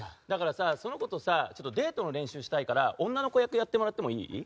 だからさ、その子とデートの練習したいからさ女の子役をやってもらってもいい？